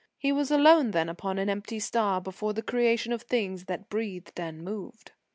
He was alone then upon an empty star, before the creation of things that breathed and moved.